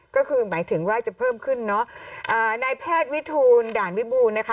ก็คือหมายถึงว่าจะเพิ่มขึ้นเนอะอ่านายแพทย์วิทูลด่านวิบูรณ์นะคะ